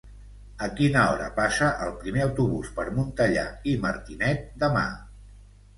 A quina hora passa el primer autobús per Montellà i Martinet demà?